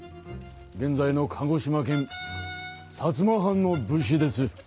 現在の鹿児島県薩摩藩の武士です。